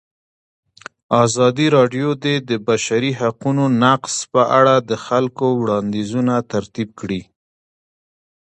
ازادي راډیو د د بشري حقونو نقض په اړه د خلکو وړاندیزونه ترتیب کړي.